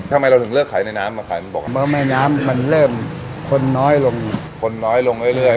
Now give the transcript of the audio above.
ทำไมเราถึงเลิกขายในน้ำมาขายบนบกมันเริ่มคนน้อยลงคนน้อยลงเรื่อยเรื่อย